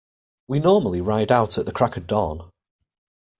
We normally ride out at the crack of dawn.